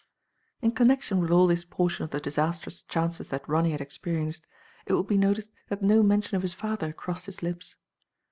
In connection with all this portion of the disas trous chances that Ronny had experienced, it will be noticed that no mention of his father crossed his lips.